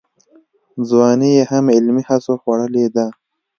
ځواني یې هم علمي هڅو خوړلې ده.